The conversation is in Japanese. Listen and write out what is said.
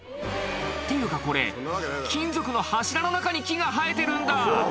っていうかこれ金属の柱の中に木が生えてるんだ